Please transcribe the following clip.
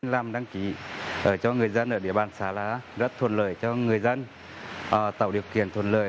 làm đăng ký cho người dân ở địa bàn xã lá rất thuận lợi cho người dân tạo điều kiện thuận lợi